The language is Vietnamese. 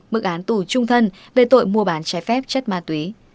mức án tù trung thân về tội mua bán trái phép chất ma túy